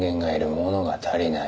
ものが足りない。